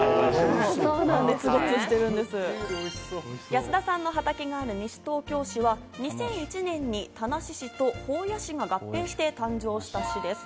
安田さんの畑がある西東京市は２００１年に田無市と保谷市が合併して誕生した市です。